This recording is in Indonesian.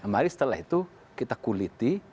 mari setelah itu kita kuliti